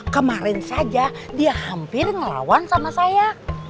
kemarin saja dia hampir ngelawan sama saya